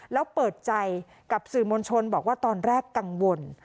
แล้วเปิดใจกับสื่อมวลชนบอกว่าตอนแรกกังวล